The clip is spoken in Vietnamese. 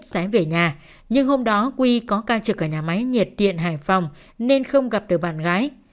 sẽ về nhà nhưng hôm đó quy có ca trực ở nhà máy nhiệt điện hải phòng nên không gặp được bạn gái